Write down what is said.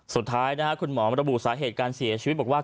สุดท้ายคุณหมอมระบุสาเหตุการเสียชีวิตบอกว่า